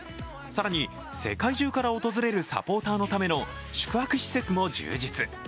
更に、世界中から訪れるサポーターのための宿泊施設も充実。